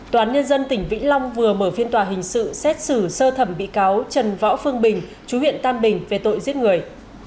tòa án nhân dân tỉnh vĩnh long vừa mở phiên tòa hình sự xét xử sơ thẩm bị cáo trần võ phương bình chú huyện tam bình về tội giết người